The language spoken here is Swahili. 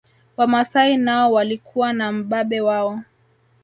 Wamasai nao walikuwa na mbabe wao